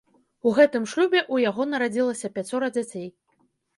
У гэтым шлюбе у яго нарадзілася пяцёра дзяцей.